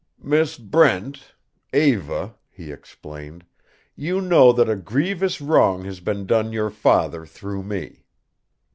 "Miss Brent Eva," he explained, "you know that a grievous wrong has been done your father through me.